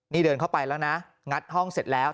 นี่เดินเข้าไปแล้วนะงัดห้องเสร็จแล้ว